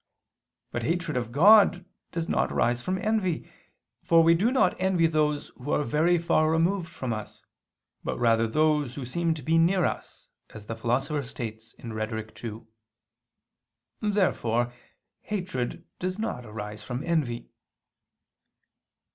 But hatred of God does not arise from envy, for we do not envy those who are very far removed from us, but rather those who seem to be near us, as the Philosopher states (Rhet. ii). Therefore hatred does not arise from envy.